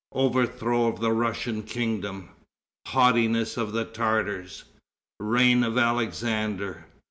Overthrow of the Russian Kingdom. Haughtiness of the Tartars. Reign of Alexander.